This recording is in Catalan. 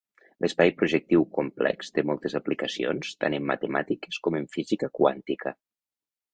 L'espai projectiu complex té moltes aplicacions tant en matemàtiques com en física quàntica.